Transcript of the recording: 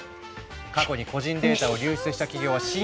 「過去に個人データを流出した企業は信用できない！